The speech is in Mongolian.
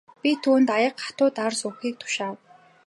Би түүнд аяга хатуу дарс өгөхийг тушаав.